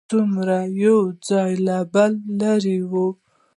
څومره یو ځای له بله لرې و.